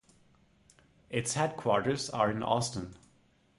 Its headquarters are in Austin.